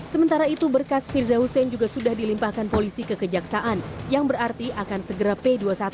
sementara itu berkas firza hussein juga sudah dilimpahkan polisi ke kejaksaan yang berarti akan segera p dua puluh satu